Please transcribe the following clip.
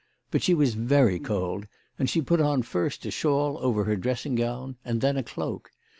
But she was very cold, and she put on first a shawl over her dressing gown and then a cloak.